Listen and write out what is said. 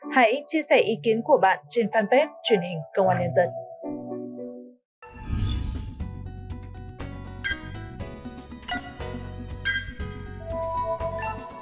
hãy chia sẻ ý kiến của bạn trên fanpage truyền hình công an nhân dân